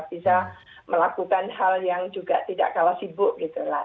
bisa melakukan hal yang juga tidak kalah sibuk gitu lah